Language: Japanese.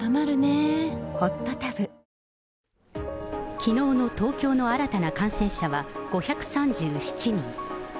きのうの東京の新たな感染者は、５３７人。